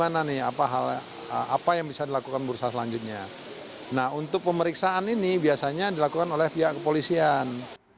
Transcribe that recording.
nah untuk pemeriksaan ini biasanya dilakukan oleh pihak kepolisian